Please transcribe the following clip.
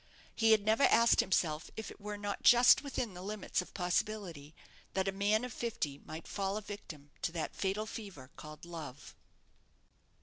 He had never asked himself if it were not just within the limits of possibility that a man of fifty might fall a victim to that fatal fever called love.